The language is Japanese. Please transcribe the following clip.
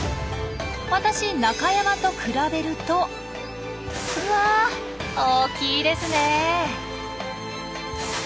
私中山と比べるとうわ！大きいですねえ。